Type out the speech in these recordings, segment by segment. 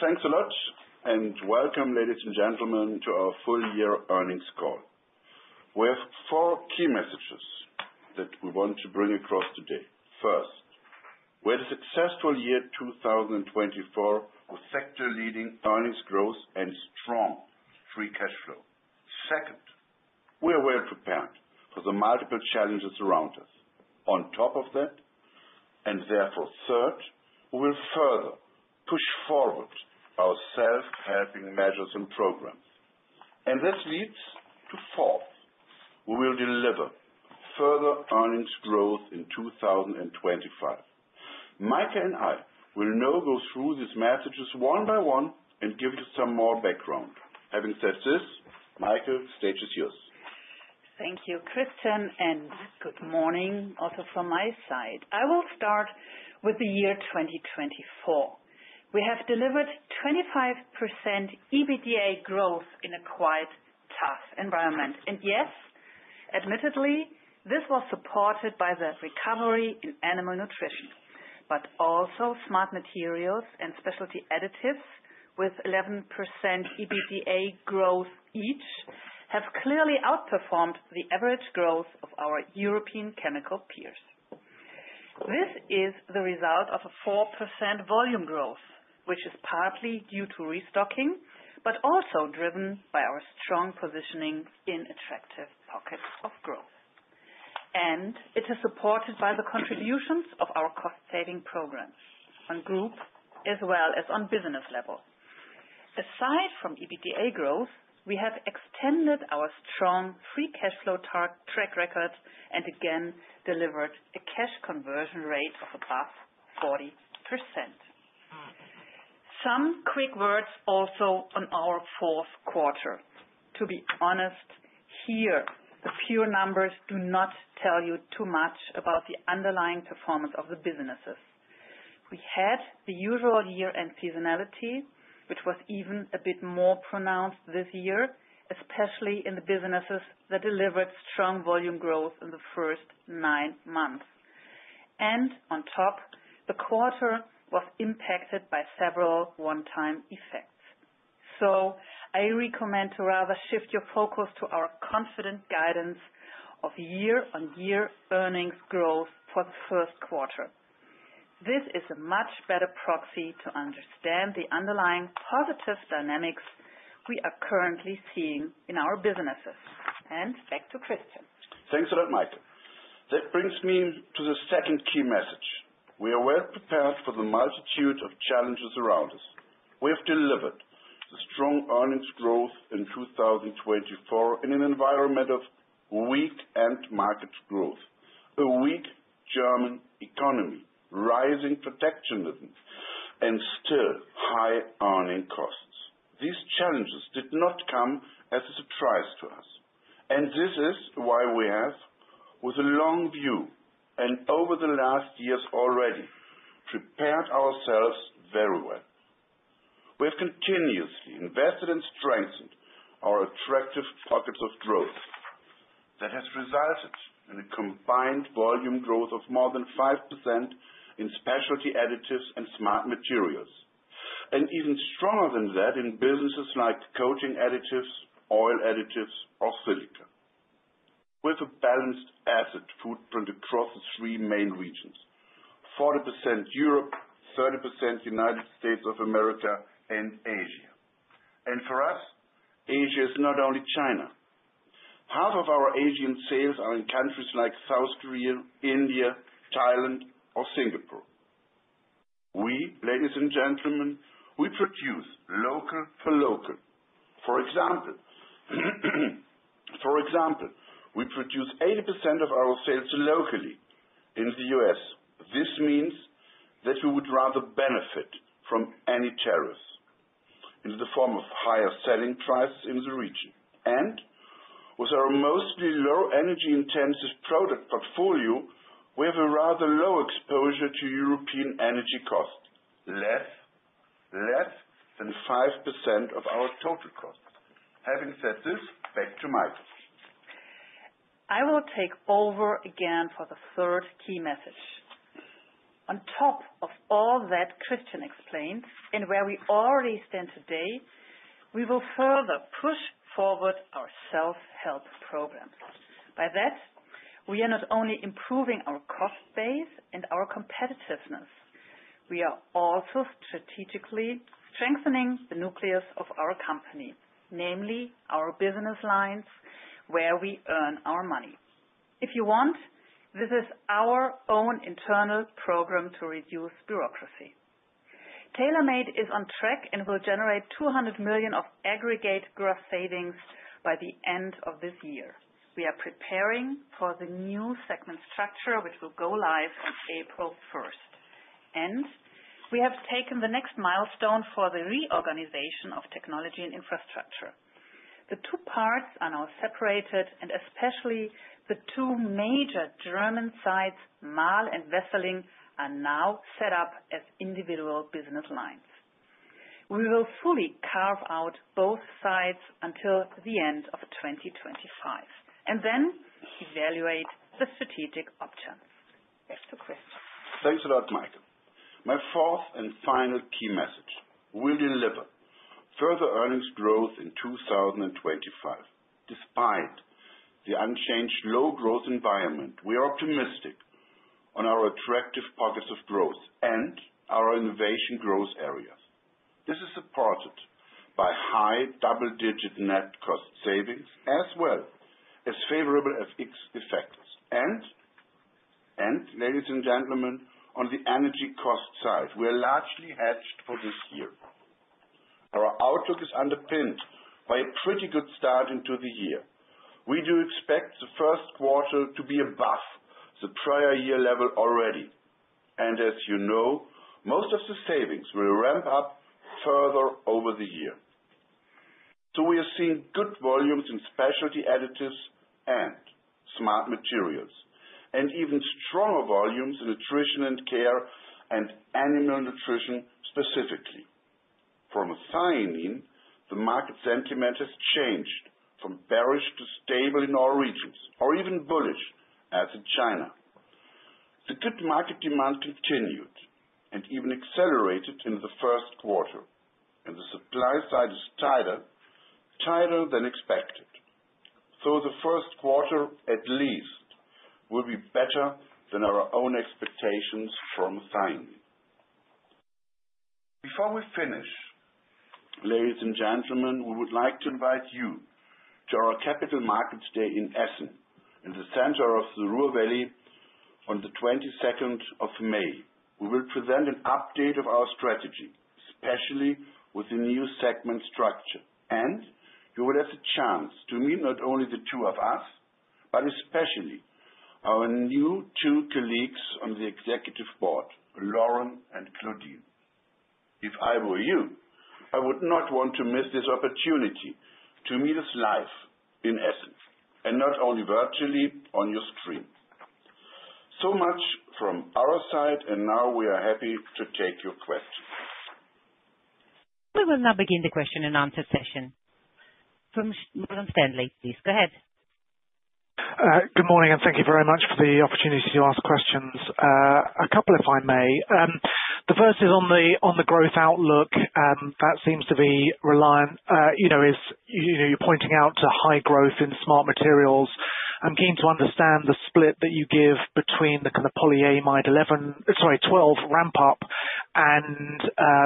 Thanks a lot, and welcome, ladies and gentlemen, to our full-year earnings call. We have four key messages that we want to bring across today. First, we had a successful year 2024 with sector-leading earnings growth and strong free cash flow. Second, we are well prepared for the multiple challenges around us. On top of that, and therefore third, we will further push forward our self-help measures and programs. And this leads to fourth, we will deliver further earnings growth in 2025. Maike and I will now go through these messages one by one and give you some more background. Having said this, Maike, the stage is yours. Thank you, Christian, and good morning also from my side. I will start with the year 2024. We have delivered 25% EBITDA growth in a quite tough environment, and yes, admittedly, this was supported by the recovery in Animal Nutrition, but also, Smart Materials and Specialty Additives with 11% EBITDA growth each have clearly outperformed the average growth of our European chemical peers. This is the result of a 4% volume growth, which is partly due to restocking, but also driven by our strong positioning in attractive pockets of growth, and it is supported by the contributions of our cost-saving programs on group as well as on business level. Aside from EBITDA growth, we have extended our strong free cash flow track record and again delivered a cash conversion rate of above 40%. Some quick words also on our fourth quarter. To be honest, here, the pure numbers do not tell you too much about the underlying performance of the businesses. We had the usual year-end seasonality, which was even a bit more pronounced this year, especially in the businesses that delivered strong volume growth in the first nine months. And on top, the quarter was impacted by several one-time effects. So I recommend to rather shift your focus to our confident guidance of year-on-year earnings growth for the first quarter. This is a much better proxy to understand the underlying positive dynamics we are currently seeing in our businesses. And back to Christian. Thanks a lot, Maike. That brings me to the second key message. We are well prepared for the multitude of challenges around us. We have delivered the strong earnings growth in 2024 in an environment of weak end-market growth, a weak German economy, rising protectionism, and still high energy costs. These challenges did not come as a surprise to us. And this is why we have, with a long view and over the last years already, prepared ourselves very well. We have continuously invested and strengthened our attractive pockets of growth that has resulted in a combined volume growth of more than 5% in Specialty Additives and Smart Materials, and even stronger than that in businesses like Coating Additives, Oil Additives, or Silica. We have a balanced asset footprint across the three main regions: 40% Europe, 30% United States of America, and Asia. And for us, Asia is not only China. Half of our Asian sales are in countries like South Korea, India, Thailand, or Singapore. We, ladies and gentlemen, we produce local for local. For example, we produce 80% of our sales locally in the US. This means that we would rather benefit from any tariffs in the form of higher selling prices in the region. And with our mostly low-energy-intensive product portfolio, we have a rather low exposure to European energy costs, less than 5% of our total costs. Having said this, back to Maike. I will take over again for the third key message. On top of all that Christian explained, and where we already stand today, we will further push forward our self-help program. By that, we are not only improving our cost base and our competitiveness, we are also strategically strengthening the nucleus of our company, namely our business lines, where we earn our money. If you want, this is our own internal program to reduce bureaucracy. Tailor Made is on track and will generate 200 million of aggregate gross savings by the end of this year. We are preparing for the new segment structure, which will go live on April 1st. We have taken the next milestone for the reorganization of Technology & Infrastructure. The two parts are now separated, and especially the two major German sites, Marl and Wesseling, are now set up as individual business lines. We will fully carve out both sites until the end of 2025, and then evaluate the strategic options. Back to Christian. Thanks a lot, Maike. My fourth and final key message: we will deliver further earnings growth in 2025. Despite the unchanged low-growth environment, we are optimistic on our attractive pockets of growth and our innovation growth areas. This is supported by high double-digit net cost savings as well as favorable effects, and, ladies and gentlemen, on the energy cost side, we are largely hedged for this year. Our outlook is underpinned by a pretty good start into the year. We do expect the first quarter to be above the prior year level already, and as you know, most of the savings will ramp up further over the year, so we are seeing good volumes in Specialty Additives and smart materials, and even stronger volumes in Nutrition & Care and Animal Nutrition specifically. From a time in, the market sentiment has changed from bearish to stable in all regions, or even bullish as in China. The good market demand continued and even accelerated in the first quarter, and the supply side is tighter, tighter than expected, so the first quarter, at least, will be better than our own expectations from a time in. Before we finish, ladies and gentlemen, we would like to invite you to our Capital Markets Day in Essen, in the center of the Ruhr Valley, on the 22nd of May. We will present an update of our strategy, especially with the new segment structure, and you will have the chance to meet not only the two of us, but especially our new two colleagues on the executive board, Lauren and Claudine. If I were you, I would not want to miss this opportunity to meet us live in Essen, and not only virtually on your screen. So much from our side, and now we are happy to take your questions. We will now begin the question and answer session. From Morgan Stanley, please. Go ahead. Good morning, and thank you very much for the opportunity to ask questions. A couple, if I may. The first is on the growth outlook. That seems to be reliant as you're pointing out to high growth in Smart Materials. I'm keen to understand the split that you give between the kind of polyamide 11, sorry, 12 ramp-up and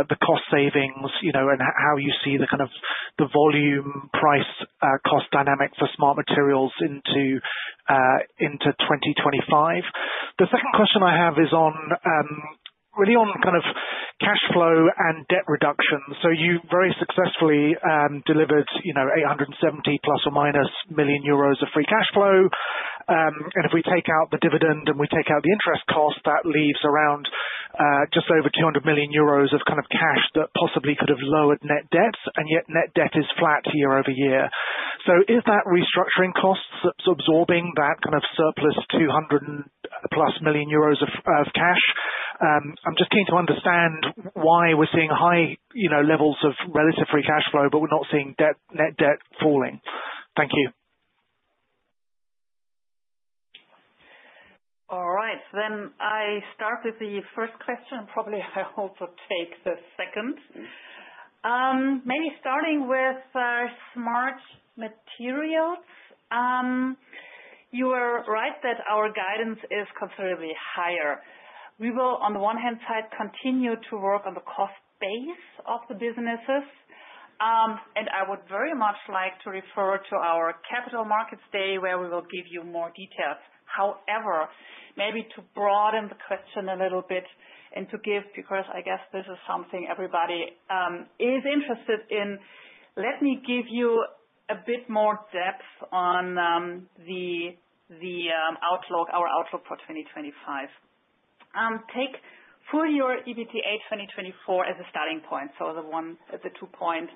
the cost savings, and how you see the kind of the volume price cost dynamic for Smart Materials into 2025. The second question I have is really on kind of cash flow and debt reduction. So you very successfully delivered 870+- million euros of free cash flow. And if we take out the dividend and we take out the interest cost, that leaves around just over 200 million euros of kind of cash that possibly could have lowered net debts. And yet net debt is flat year over year. So is that restructuring costs absorbing that kind of surplus 200+ million euros of cash? I'm just keen to understand why we're seeing high levels of relative free cash flow, but we're not seeing net debt falling. Thank you. All right. Then I start with the first question, and probably I also take the second. Maybe starting with Smart Materials. You are right that our guidance is considerably higher. We will, on the one hand side, continue to work on the cost base of the businesses. And I would very much like to refer to our Capital Markets Day, where we will give you more details. However, maybe to broaden the question a little bit and to give, because I guess this is something everybody is interested in, let me give you a bit more depth on our outlook for 2025. Take full-year EBITDA 2024 as a starting point, so the 2.065.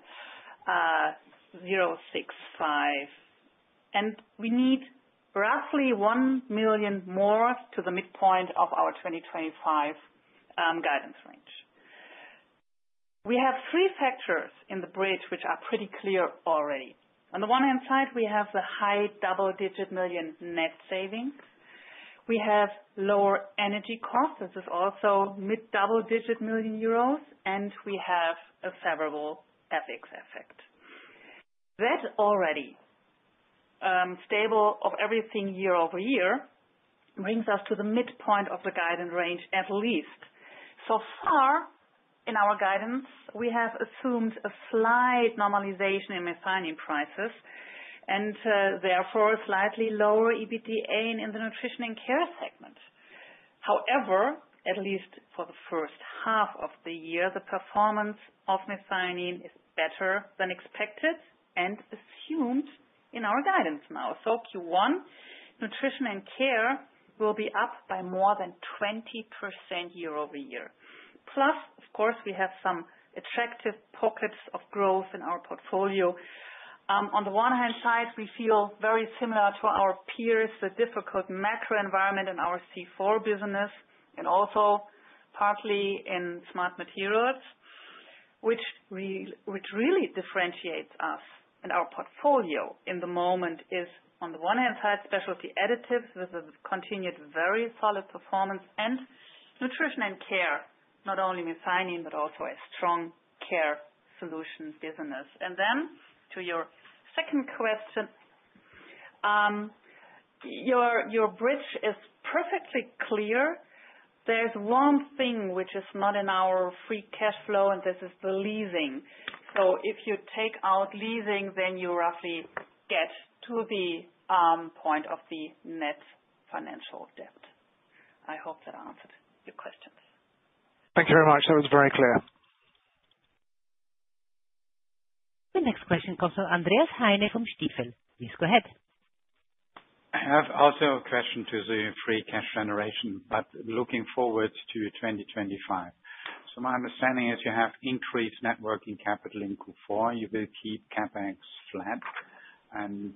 And we need roughly one million more to the midpoint of our 2025 guidance range. We have three factors in the bridge which are pretty clear already. On the one hand side, we have the high double-digit million EUR net savings. We have lower energy costs. This is also mid-double-digit million EUR. And we have a favorable FX effect. That already stabilizes everything year over year brings us to the midpoint of the guidance range at least. So far in our guidance, we have assumed a slight normalization in methionine prices, and therefore a slightly lower EBITDA in the Nutrition & Care segment. However, at least for the first half of the year, the performance of methionine is better than expected and assumed in our guidance now. So Q1, Nutrition & Care will be up by more than 20% year over year. Plus, of course, we have some attractive pockets of growth in our portfolio. On the one hand side, we feel very similar to our peers, the difficult macro environment in our C4 business, and also partly in Smart Materials, which really differentiates us and our portfolio. In the moment is, on the one hand side, Specialty Additives with a continued very solid performance and Nutrition & Care, not only methionine, but also a strong Care Solutions business, and then to your second question, your bridge is perfectly clear. There's one thing which is not in our free cash flow, and this is the leasing, so if you take out leasing, then you roughly get to the point of the net financial debt. I hope that answered your questions. Thank you very much. That was very clear. The next question comes from Andreas Heine from Stifel. Please go ahead. I also have a question to the free cash generation, but looking forward to 2025. So my understanding is you have increased net working capital in Q4. You will keep CapEx flat, and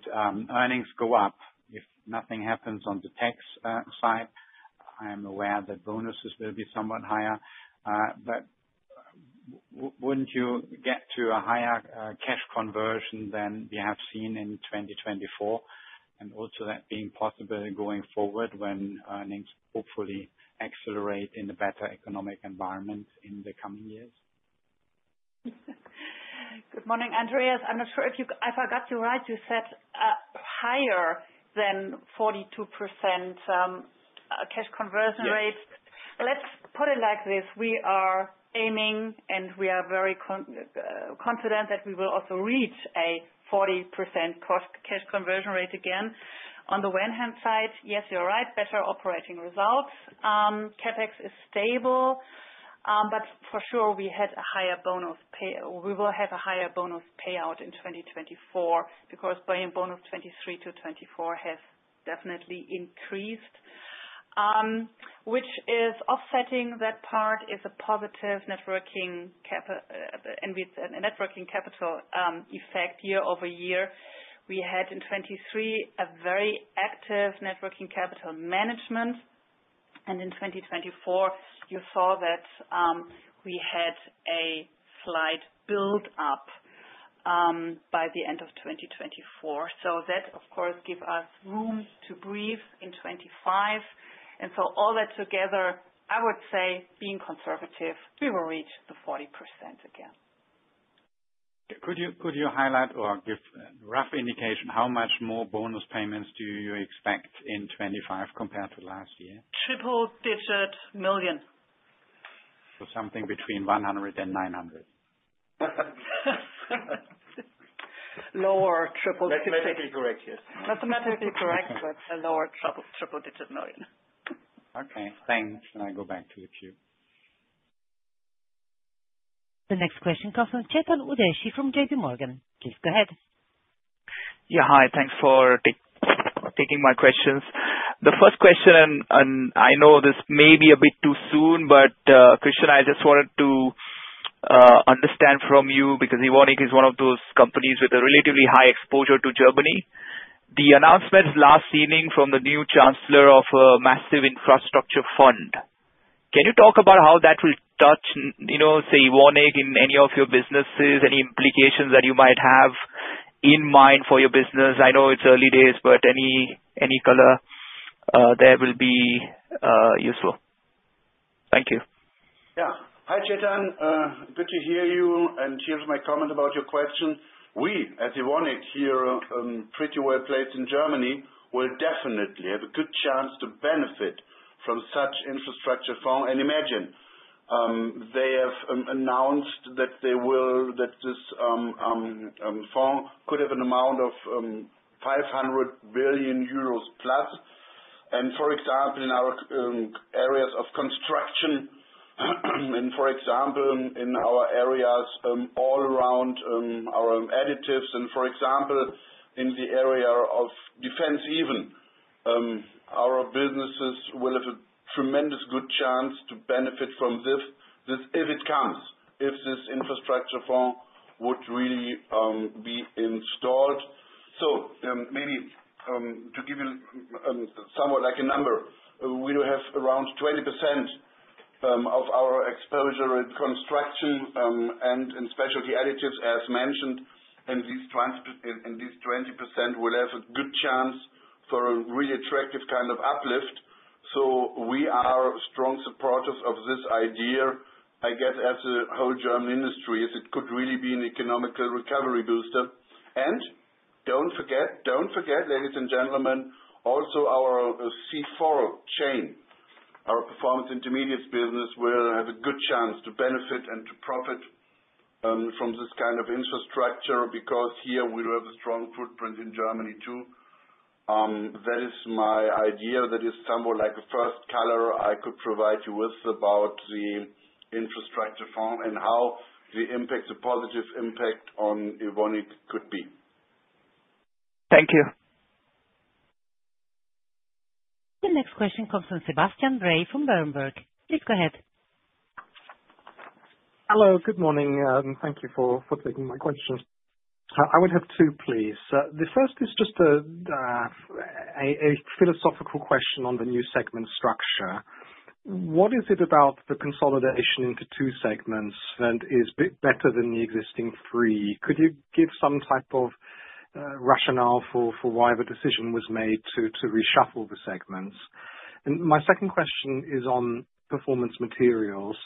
earnings go up. If nothing happens on the tax side, I am aware that bonuses will be somewhat higher. But wouldn't you get to a higher cash conversion than we have seen in 2024? And also that being possible going forward when earnings hopefully accelerate in a better economic environment in the coming years? Good morning, Andreas. I'm not sure if I got you right. You said higher than 42% cash conversion rate. Let's put it like this. We are aiming, and we are very confident that we will also reach a 40% cash conversion rate again. On the one hand side, yes, you're right, better operating results. CapEx is stable, but for sure we had a higher bonus payout. We will have a higher bonus payout in 2024 because bonus 2023-2024 has definitely increased, which is offsetting that part is a positive net working capital effect year over year. We had in 2023 a very active net working capital management. And in 2024, you saw that we had a slight build-up by the end of 2024. So that, of course, gives us room to breathe in 2025. And so all that together, I would say being conservative, we will reach the 40% again. Could you highlight or give a rough indication how much more bonus payments do you expect in 2025 compared to last year? Triple-digit million. Something between 100 and 900. Lower triple-digit million. Mathematically correct, yes. Mathematically correct, but a lower triple-digit million. Okay. Thanks, and I go back to the queue. The next question comes from Chetan Udeshi from JPMorgan. Please go ahead. Yeah, hi. Thanks for taking my questions. The first question, and I know this may be a bit too soon, but Christian, I just wanted to understand from you because Evonik is one of those companies with a relatively high exposure to Germany. The announcement last evening from the new chancellor of a massive infrastructure fund. Can you talk about how that will touch, say, Evonik in any of your businesses, any implications that you might have in mind for your business? I know it's early days, but any color there will be useful. Thank you. Yeah. Hi, Chetan. Good to hear you. And here's my comment about your question. We, at Evonik here, pretty well placed in Germany, will definitely have a good chance to benefit from such infrastructure funds. And imagine they have announced that this fund could have an amount of 500 billion euros plus. And for example, in our areas of construction, and for example, in our areas all around our additives, and for example, in the area of defense even, our businesses will have a tremendous good chance to benefit from this if it comes, if this infrastructure fund would really be installed. So maybe to give you somewhat like a number, we do have around 20% of our exposure in construction and in Specialty Additives, as mentioned. And these 20% will have a good chance for a really attractive kind of uplift. So we are strong supporters of this idea. I guess as a whole German industry, it could really be an economic recovery booster. And don't forget, don't forget, ladies and gentlemen, also our C4 chain, our performance intermediates business, will have a good chance to benefit and to profit from this kind of infrastructure because here we do have a strong footprint in Germany too. That is my idea. That is somewhat like a first color I could provide you with about the infrastructure fund and how the impact, the positive impact on Evonik could be. Thank you. The next question comes from Sebastian Bray from Berenberg. Please go ahead. Hello. Good morning. Thank you for taking my question. I would have two, please. The first is just a philosophical question on the new segment structure. What is it about the consolidation into two segments that is better than the existing three? Could you give some type of rationale for why the decision was made to reshuffle the segments? And my second question is on Performance Materials.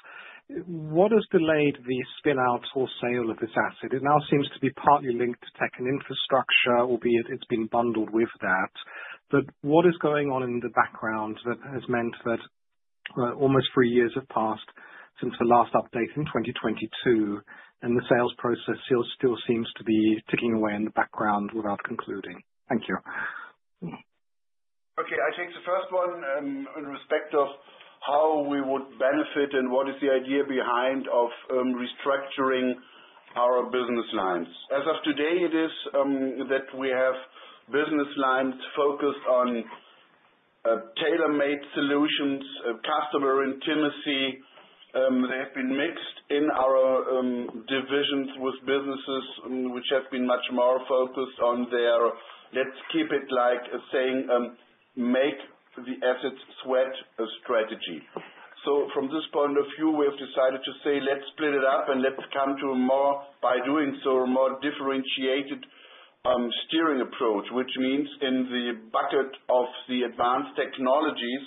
What has delayed the spin-out or sale of this asset? It now seems to be partly linked to Technology & Infrastructure, albeit it's been bundled with that. But what is going on in the background that has meant that almost three years have passed since the last update in 2022, and the sales process still seems to be ticking away in the background without concluding? Thank you. Okay. I take the first one in respect of how we would benefit and what is the idea behind restructuring our business lines. As of today, it is that we have business lines focused on tailor-made solutions, customer intimacy. They have been mixed in our divisions with businesses which have been much more focused on their, let's keep it like saying, make the assets sweat strategy. So from this point of view, we have decided to say, let's split it up and let's come to a more, by doing so, a more differentiated steering approach, which means in the bucket of the Advanced Technologies,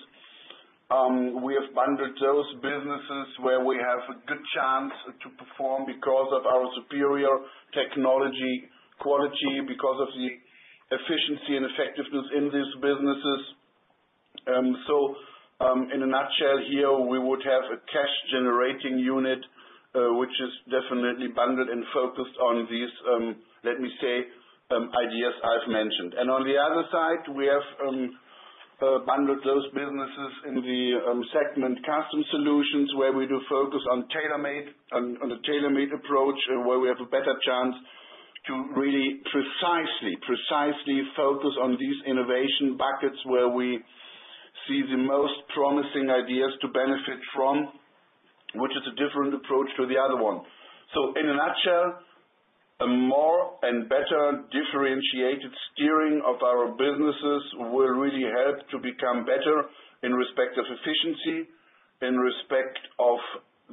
we have bundled those businesses where we have a good chance to perform because of our superior technology quality, because of the efficiency and effectiveness in these businesses. In a nutshell here, we would have a cash-generating unit, which is definitely bundled and focused on these, let me say, ideas I've mentioned. On the other side, we have bundled those businesses in the segment Custom Solutions where we do focus on tailor-made, on a tailor-made approach, where we have a better chance to really precisely focus on these innovation buckets where we see the most promising ideas to benefit from, which is a different approach to the other one. In a nutshell, a more and better differentiated steering of our businesses will really help to become better in respect of efficiency, in respect of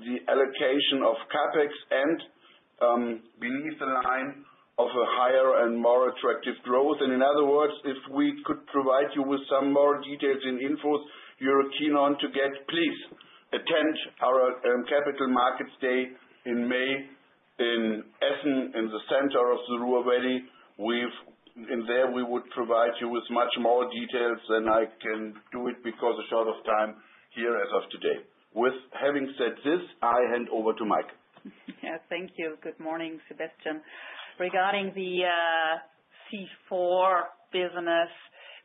the allocation of CapEx, and below the line of a higher and more attractive growth. In other words, if we could provide you with some more details and info you're keen on to get, please attend our Capital Markets Day in May in Essen, in the center of the Ruhr Valley. In there, we would provide you with much more details than I can do it because of short of time here as of today. With having said this, I hand over to Maike. Yeah. Thank you. Good morning, Sebastian. Regarding the C4 business,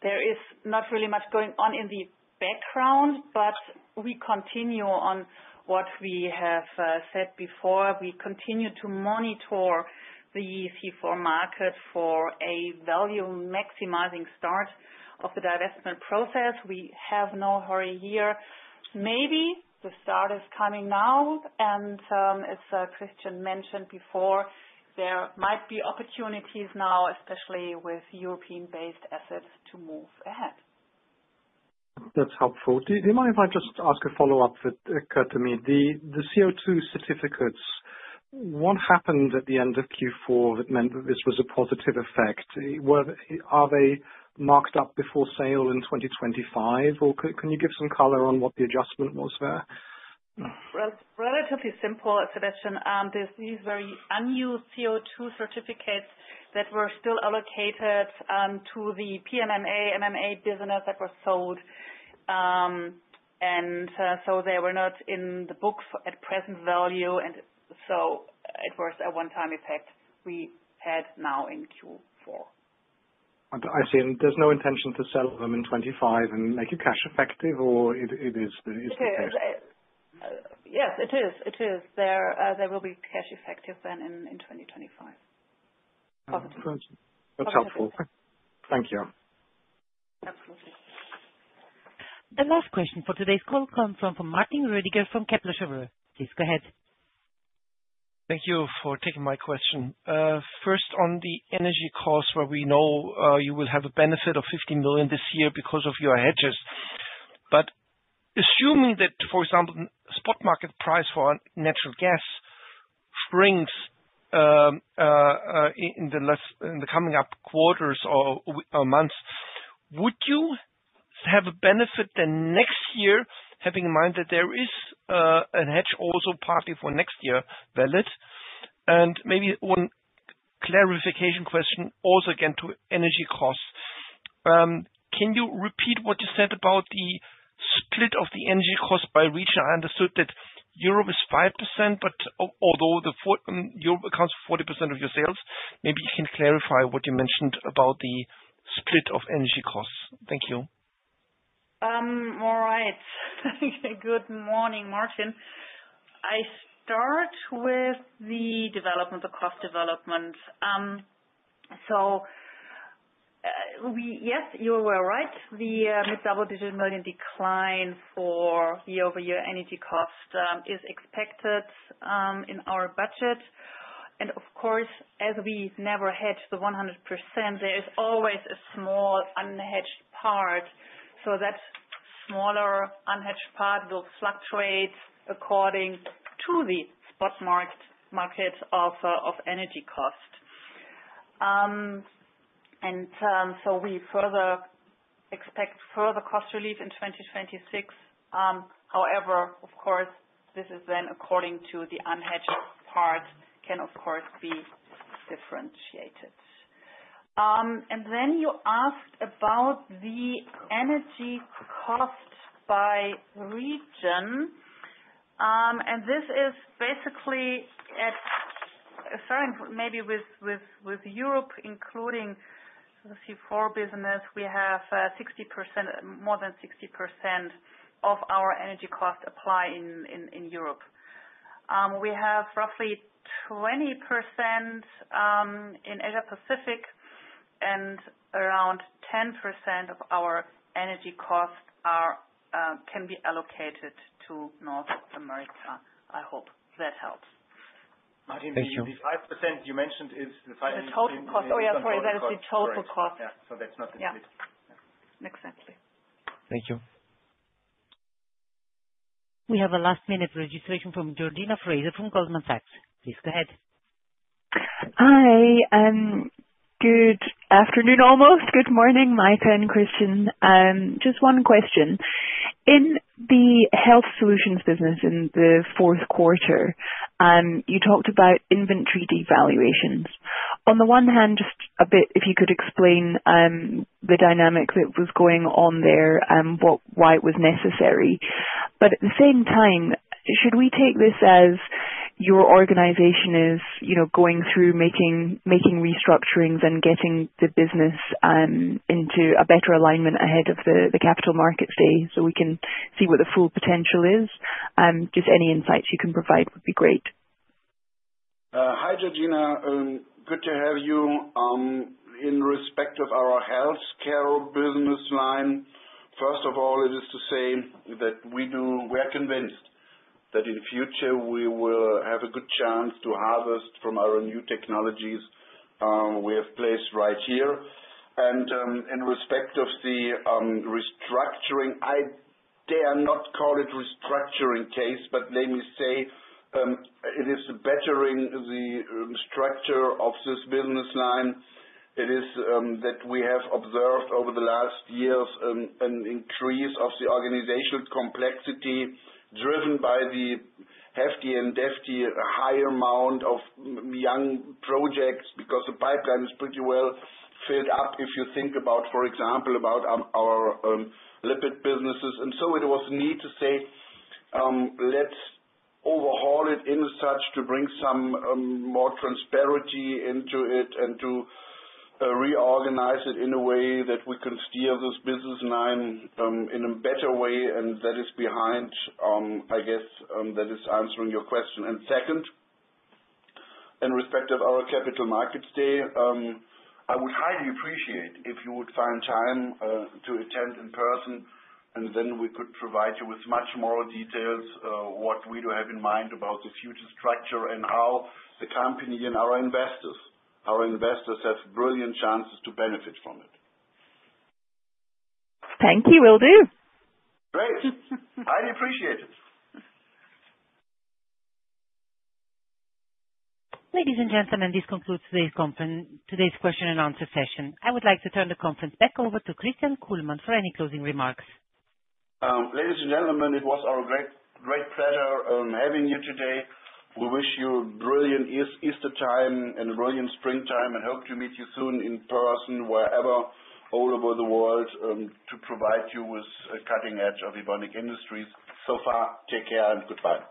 there is not really much going on in the background, but we continue on what we have said before. We continue to monitor the C4 market for a value maximizing start of the divestment process. We have no hurry here. Maybe the start is coming now, and as Christian mentioned before, there might be opportunities now, especially with European-based assets, to move ahead. That's helpful. Do you mind if I just ask a follow-up that occurred to me? The CO2 certificates, what happened at the end of Q4 that meant this was a positive effect? Are they marked up before sale in 2025? Or can you give some color on what the adjustment was there? Relatively simple, Sebastian. These very unused CO2 certificates that were still allocated to the PMMA, MMA business that were sold, and so they were not in the book at present value. And so it was a one-time effect we had now in Q4. I see, and there's no intention to sell them in 2025 and make you cash effective, or it is the case? Yes, it is. It is. There will be cash effective then in 2025. Positive. That's helpful. Thank you. Absolutely. The last question for today's call comes from Martin Rödiger from Kepler Cheuvreux. Please go ahead. Thank you for taking my question. First, on the energy costs, where we know you will have a benefit of 50 million this year because of your hedges. But assuming that, for example, spot market price for natural gas springs in the coming up quarters or months, would you have a benefit then next year, having in mind that there is a hedge also partly for next year valid? And maybe one clarification question also again to energy costs. Can you repeat what you said about the split of the energy cost by region? I understood that Europe is 5%, but although Europe accounts for 40% of your sales, maybe you can clarify what you mentioned about the split of energy costs. Thank you. All right. Good morning, Martin. I start with the development, the cost development. Yes, you were right. The mid-double-digit million decline for year-over-year energy cost is expected in our budget. Of course, as we never hedge the 100%, there is always a small unhedged part. That smaller unhedged part will fluctuate according to the spot market of energy cost. We further expect further cost relief in 2026. However, of course, this is then according to the unhedged part, can of course be differentiated, and then you asked about the energy cost by region. This is basically, starting maybe with Europe, including the C4 business, we have 60%, more than 60% of our energy cost apply in Europe. We have roughly 20% in Asia-Pacific, and around 10% of our energy cost can be allocated to North America. I hope that helps. Thank you. 5% you mentioned is the final. The total cost. Oh, yeah, sorry. That is the total cost. Yeah. So that's not the split. Yeah. Exactly. Thank you. We have a last-minute registration from Georgina Fraser from Goldman Sachs. Please go ahead. Hi. Good afternoon, almost. Good morning, Maike and Christian. Just one question. In the Health Solutions business in the fourth quarter, you talked about inventory devaluations. On the one hand, just a bit, if you could explain the dynamic that was going on there and why it was necessary, but at the same time, should we take this as your organization is going through making restructurings and getting the business into a better alignment ahead of the capital markets day so we can see what the full potential is? Just any insights you can provide would be great. Hi, Georgina. Good to have you. In respect of our healthcare business line, first of all, it is to say that we are convinced that in the future, we will have a good chance to harvest from our new technologies we have placed right here. In respect of the restructuring, I dare not call it restructuring case, but let me say it is bettering the structure of this business line. It is that we have observed over the last years an increase of the organizational complexity driven by the hefty high amount of young projects because the pipeline is pretty well filled up if you think about, for example, our lipid businesses. It was, indeed, to say, let's overhaul it in such a way to bring some more transparency into it and to reorganize it in a way that we can steer this business line in a better way. That is behind, I guess, that is answering your question. Second, in respect of our Capital Markets Day, I would highly appreciate if you would find time to attend in person, and then we could provide you with much more details of what we do have in mind about the future structure and how the company and our investors have brilliant chances to benefit from it. Thank you. Will do. Great. Highly appreciate it. Ladies and gentlemen, this concludes today's question and answer session. I would like to turn the conference back over to Christian Kullmann for any closing remarks. Ladies and gentlemen, it was our great pleasure having you today. We wish you a brilliant Easter time and a brilliant springtime, and hope to meet you soon in person, wherever, all over the world, to provide you with cutting-edge of Evonik Industries. So far, take care and goodbye.